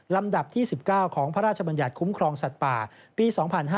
ลำดับที่๑๙ของพระราชบัญญัติคุ้มครองสัตว์ป่าปี๒๕๕๙